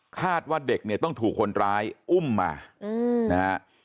คาดว่าเด็กต้องถูกคนร้ายอุ้มมา